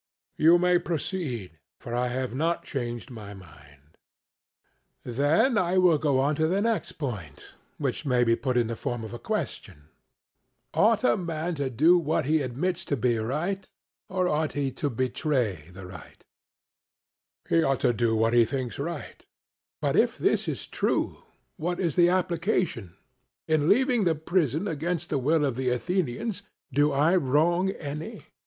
CRITO: You may proceed, for I have not changed my mind. SOCRATES: Then I will go on to the next point, which may be put in the form of a question: Ought a man to do what he admits to be right, or ought he to betray the right? CRITO: He ought to do what he thinks right. SOCRATES: But if this is true, what is the application? In leaving the prison against the will of the Athenians, do I wrong any?